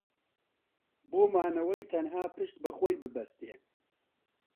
بۆ مانەوەی تەنیا پشت بە خۆی ببەستێ